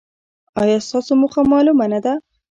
ایا ستاسو موخه معلومه نه ده؟